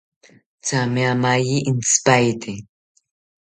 Thame amaye intzipaete